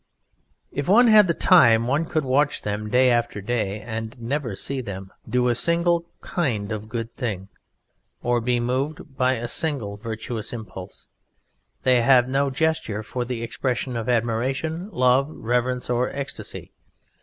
If one had the time one could watch Them day after day, and never see Them do a single kind or good thing, or be moved by a single virtuous impulse. They have no gesture for the expression of admiration, love, reverence or ecstasy.